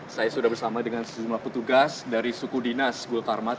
saya sudah bersama dengan sejumlah petugas dari suku dinas gul farmat